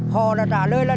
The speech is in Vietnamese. họ đã trả lời là